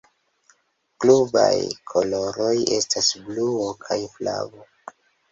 Klubaj koloroj estas bluo kaj flavo.